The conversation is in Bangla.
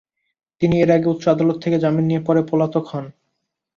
তিনি এর আগে উচ্চ আদালত থেকে জামিন নিয়ে পরে পলাতক হন।